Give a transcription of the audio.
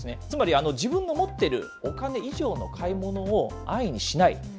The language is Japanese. つまり自分の持ってるお金以上の買い物を安易にしない。